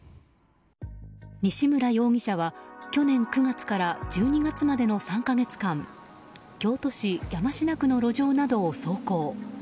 西村容疑者は去年９月から１２月までの３か月間京都市山科区の路上などを走行。